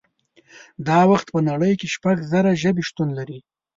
دا وخت په نړۍ کې شپږ زره ژبې شتون لري